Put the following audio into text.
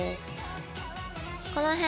この辺。